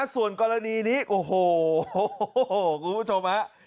ส่วนกรณีนี้โอ้โหคุณผู้ชมฮะ